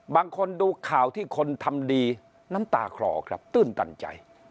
บางคนดูข่าวที่คนทำดีน้ำตาคลอครับตื้นตันใจ